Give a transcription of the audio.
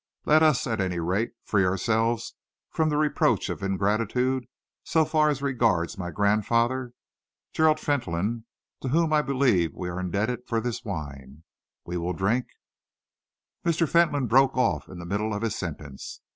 "Let us, at any rate, free ourselves from the reproach of ingratitude so far as regards my grandfather Gerald Fentolin to whom I believe we are indebted for this wine. We will drink " Mr. Fentolin broke off in the middle of his sentence.